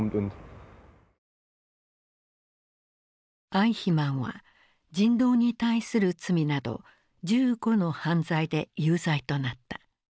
アイヒマンは「人道に対する罪」など１５の犯罪で有罪となった。